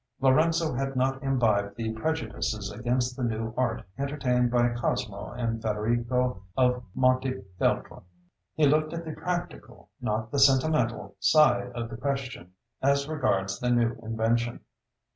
Lorenzo had not imbibed the prejudices against the new art entertained by Cosmo and Federigo of Montefeltro. He looked at the practical, not the sentimental, side of the question as regards the new invention.